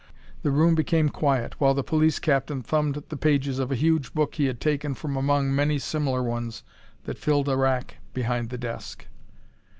The room became quiet while the police captain thumbed the pages of a huge book he had taken from among many similar ones that filled a rack behind the desk.